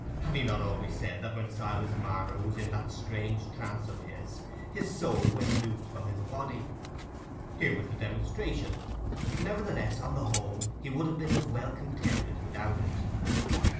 Had he not always said that when Silas Marner was in that strange trance of his, his soul went loose from his body? Here was the demonstration: nevertheless, on the whole, he would have been as well contented without it.